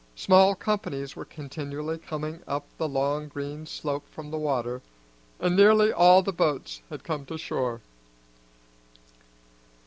Small companies were continually coming up the long green slope from the water, and nearly all the boats had come to shore.